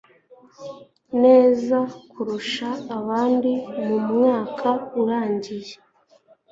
neza kurusha abandi mu mwaka urangiye